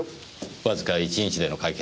わずか１日での解決